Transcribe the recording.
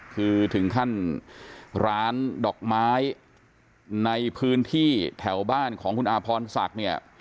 คือถึงขั้นร้านดอกไม้ในพื้นที่แถวบ้านของคุณอาพรศักดิ์เนี่ย